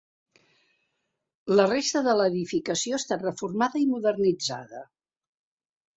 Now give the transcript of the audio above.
La resta de l'edificació ha estat reformada i modernitzada.